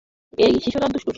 এই শিশুরা দুষ্টু।